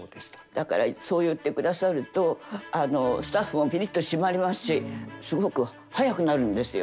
だからそう言ってくださるとスタッフもピリッと締まりますしすごく早くなるんですよ。